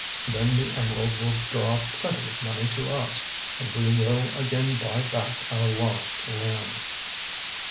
Then the emerald will draw plenty of money to us, and we will again buy back our lost lands."